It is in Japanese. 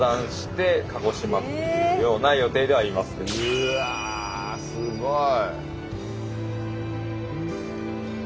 うわすごい。